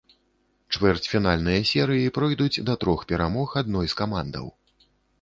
Чвэрцьфінальныя серыі пройдуць да трох перамог адной з камандаў.